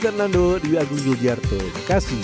fernando di agung jogja jawa barat